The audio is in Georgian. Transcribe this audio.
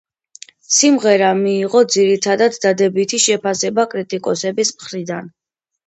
სიმღერა მიიღო ძირითადად დადებითი შეფასება კრიტიკოსების მხრიდან.